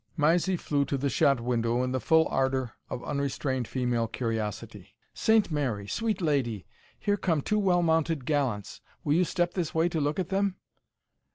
Mysie flew to the shot window in the full ardour of unrestrained female curiosity. "Saint Mary! sweet lady! here come two well mounted gallants; will you step this way to look at them